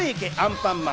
アンパンマン